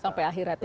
sampai akhirat itu